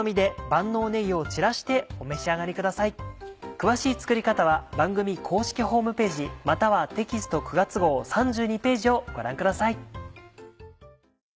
詳しい作り方は番組公式ホームページまたはテキスト９月号３２ページをご覧ください。